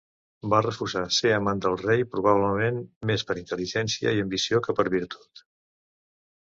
Va Refusar ser amant del rei, probablement més per intel·ligència i ambició que per virtut.